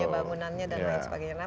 bangunannya dan lain sebagainya